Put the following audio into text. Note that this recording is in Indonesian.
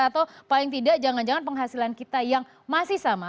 atau paling tidak jangan jangan penghasilan kita yang masih sama